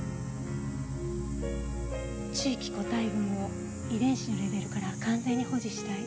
地域個体群を遺伝子のレベルから完全に保持したい。